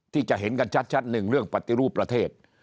ที่จะเห็นกันชัดหนึ่งเรื่องปฏิรูปประเทศ